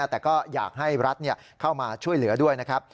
แต่ก็อยากให้รัฐเข้ามาช่วยเหลือด้วยนะครับ